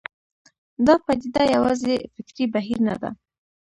دا پدیده یوازې فکري بهیر نه ده.